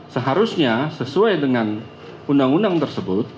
seharusnya sesuai dengan undang undang tersebut